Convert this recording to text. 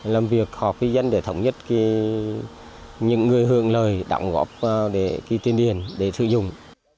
làm việc họp với dân để thống nhất những người hưởng lời đọng góp vào để tiên điển để sử dụng